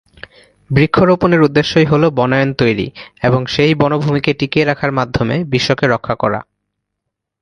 বৃক্ষরোপনের উদ্দেশ্যই হলো বনায়ন তৈরি এবং সেই বনভূমিকে টিকিয়ে রাখার মাধ্যমে বিশ্বকে রক্ষা করা।